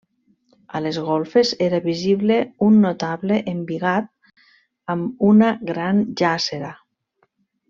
A les golfes era visible un notable embigat amb una gran jàssera.